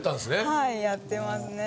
はいやってますね。